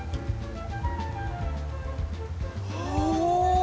お！